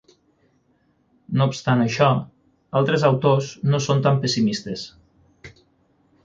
No obstant això, altres autors no són tan pessimistes.